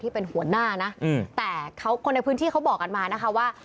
เป็นหัวหน้านะแต่เขาคนในพื้นที่เขาบอกกันมานะคะว่า